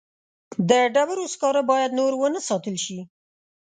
د ډبرو سکاره باید نور ونه ساتل شي.